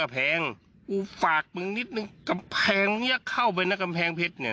เพลงนี้เข้าไปในกำแพงเพชรเนี่ย